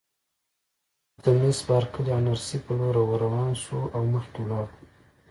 موږ د مس بارکلي او نرسې په لور ورروان شوو او مخکې ولاړو.